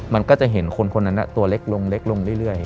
มันก็จะเห็นคนนั้นน่ะตัวเล็กลงเรื่อย